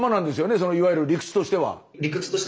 そのいわゆる理屈としては。